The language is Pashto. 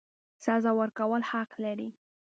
سزا ورکولو حق لري.